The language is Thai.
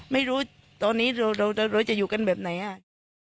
ไม่รู้ตอนนี้เราจะอยู่กันแบบไหนอ่ะ